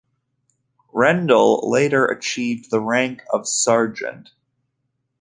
Rendle later achieved the rank of sergeant.